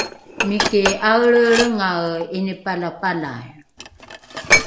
miki ’aelreelrengae ’inipalapalai